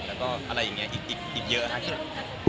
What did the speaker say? แล้วก็อะไรอย่างนี้อีกเยอะครับ